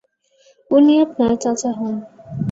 উনি আপনার চাচা হন।